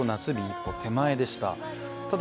一歩手前でした。